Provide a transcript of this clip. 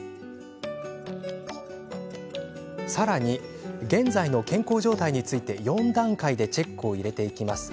さらに、現在の健康状態について４段階でチェックを入れていきます。